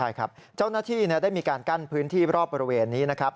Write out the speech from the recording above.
ใช่ครับเจ้าหน้าที่ได้มีการกั้นพื้นที่รอบบริเวณนี้นะครับ